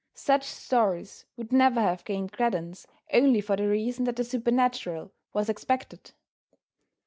Such stories would never have gained credence only for the reason that the supernatural was expected.